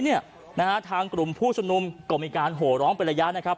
เนี่ยนะฮะทางกลุ่มผู้ชมนุมก็มีการโหร้องเป็นระยะนะครับ